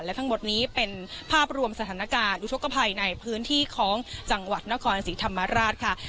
และทั้งหมดนี้เป็นภาพรวมสถานการณ์อุทธกภัยในพื้นที่ของจังหวัดนครศรีธรรมราชค่ะ